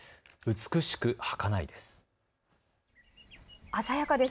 美しく、はかないです。